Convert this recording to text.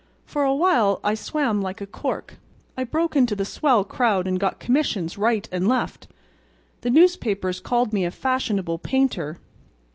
For a while I swam like a cork. I broke into the swell crowd and got commissions right and left. The newspapers called me a fashionable painter.